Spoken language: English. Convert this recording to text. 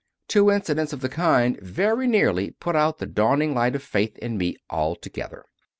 Two incidents of the kind very nearly put out the dawning light of faith in me altogether.